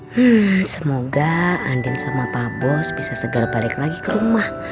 hmm semoga andin sama pap boss bisa seger balik lagi ke rumah